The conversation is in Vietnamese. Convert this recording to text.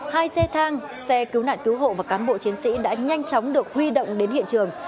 hai xe thang xe cứu nạn cứu hộ và cán bộ chiến sĩ đã nhanh chóng được huy động đến hiện trường